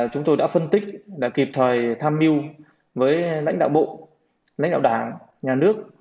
chúng tôi đã phân tích đã kịp thời tham mưu với lãnh đạo bộ lãnh đạo đảng nhà nước